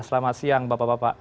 selamat siang bapak bapak